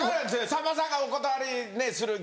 さんまさんがお断りねする